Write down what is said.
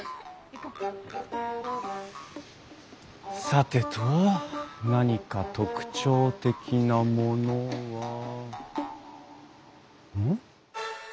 さてと何か特徴的なものはうん？